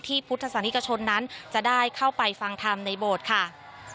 พุทธศาสนิกชนนั้นจะได้เข้าไปฟังธรรมในโบสถ์ค่ะ